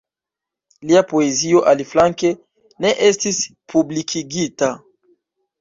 Lia poezio, aliflanke, ne estis publikigita.